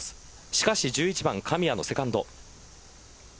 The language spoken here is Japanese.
しかし１１番、神谷のセカンド。